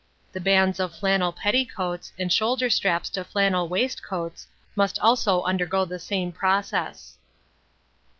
The bands of flannel petticoats, and shoulder straps to flannel waistcoats, must also undergo the same process.